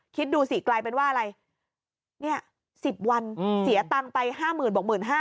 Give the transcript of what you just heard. คิดดูสิไกลเป็นว่าอะไรเนี่ยสิบวันอืมเสียตังค์ไปห้าหมื่นบอกหมื่นห้า